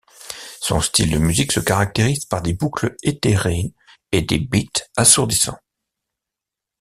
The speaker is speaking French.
Son style de musique se caractérise par des boucles éthérées et des beats assourdis.